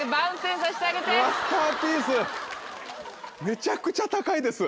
めちゃくちゃ高いです。